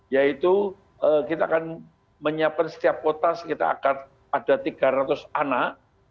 yaitu kita akan menyiapkan setiap kota sekitar ada tiga ratus anak